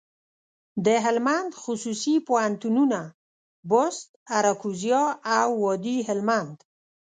دهلمند خصوصي پوهنتونونه، بُست، اراکوزیا او وادي هلمند.